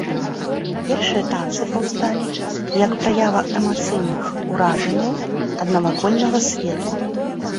Першыя танцы паўсталі, як праява эмацыйных уражанняў ад навакольнага свету.